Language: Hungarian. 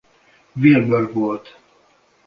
Wilbur volt.